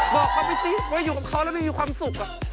บอกเขาไปสิว่าอยู่กับเขาแล้วไม่มีความสุข